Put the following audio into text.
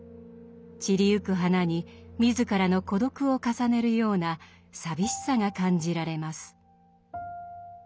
散りゆく花に自らの孤独を重ねるような寂しさが感じられます。